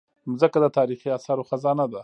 مځکه د تاریخي اثارو خزانه ده.